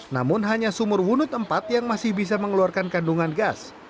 namun hanya sumur wunut empat yang masih bisa mengeluarkan kandungan gas